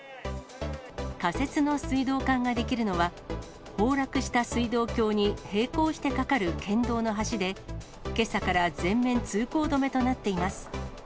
仮設の水道管ができるのは、崩落した水道橋に並行して架かる県道の橋で、けさから全面通行止めとなっています。